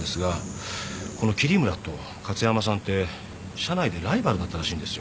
この桐村と加津山さんて社内でライバルだったらしいんですよ。